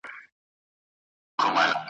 مُلا یې ولاړ سي د سر مقام ته !.